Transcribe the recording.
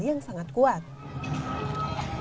yang sangat menarik